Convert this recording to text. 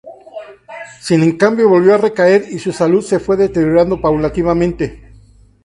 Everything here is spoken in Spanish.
Sin embargo volvió a recaer y su salud se fue deteriorando paulatinamente.